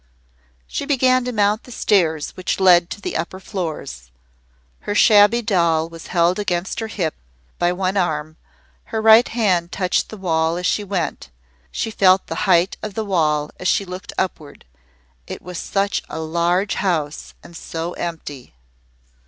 She began to mount the stairs which led to the upper floors. Her shabby doll was held against her hip by one arm, her right hand touched the wall as she went, she felt the height of the wall as she looked upward. It was such a large house and so empty.